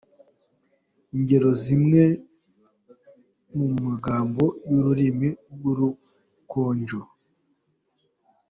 Ingero z’amwe mu magambo y’Ururimi rw’Urukonjo.